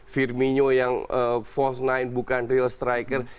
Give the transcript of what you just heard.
firmino yang false nine bukan real striker